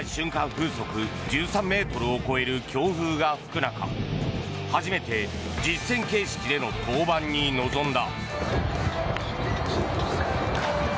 風速１３ｍを超える強風が吹く中初めて実戦形式での登板に臨んだ。